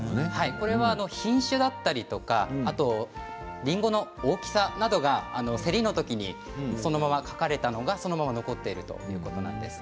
これは品種だったりりんごの大きさが競りのときにそのまま書かれたものがそのまま残っているということなんです。